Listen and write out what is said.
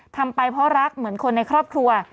ทำไปเพราะรักเหมือนคนในครอบครัว